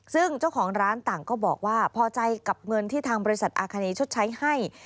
ซึ่งเจ้าของร้านต่างก็บอกว่าพอใจกับเงินที่ทางบริษัทอาคณีชดใช้ให้